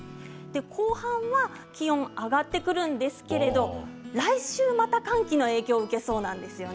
後半は気温が上がってくるんですが来週また寒気の影響を受けそうです。